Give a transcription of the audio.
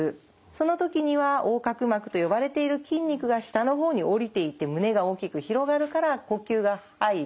その時には横隔膜と呼ばれている筋肉が下の方に下りていって胸が大きく広がるから呼吸が入る。